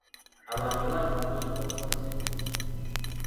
Abantu batunda endokwa z'emiti.